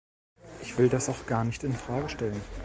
Ich will das auch gar nicht in Frage stellen.